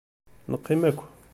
Neqqim akk.